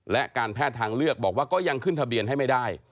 และการแพทย์ทางเลือกบอกว่าก็ยังขึ้นทะเบียนให้ไม่ได้